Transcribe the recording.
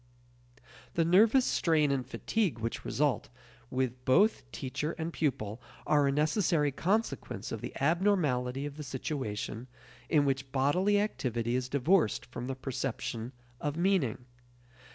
The nervous strain and fatigue which result with both teacher and pupil are a necessary consequence of the abnormality of the situation in which bodily activity is divorced from the perception of meaning.